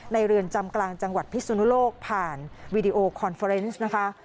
เรือนจำกลางจังหวัดพิสุนุโลกผ่านวีดีโอคอนเฟอร์เนสนะคะ